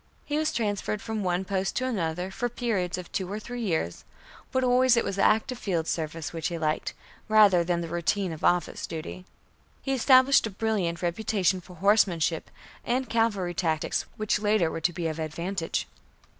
He was transferred from one post to another for periods of two or three years, but always it was active field service which he liked, rather than the routine of office duty. He established a brilliant reputation for horsemanship and cavalry tactics which later were to be of advantage.